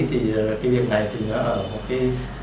thì cái việc này thì nó ở một cái